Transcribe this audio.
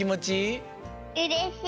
うれしい！